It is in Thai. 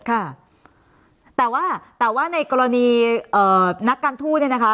ค่ะแต่ว่าแต่ว่าในกรณีนักการทูตเนี่ยนะคะ